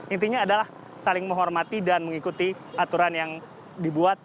intinya adalah saling menghormati dan mengikuti aturan yang dibuat